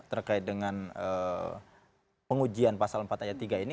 terkait dengan pengujian pasal empat ayat tiga ini